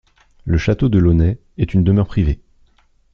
Le Château de Launay est une demeure privée.